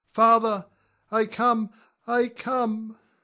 Father, I come, I come!